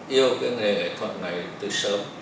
yêu cái nghề nghệ thuật này từ sớm